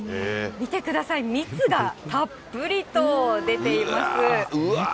見てください、蜜がたっぷりと出ています。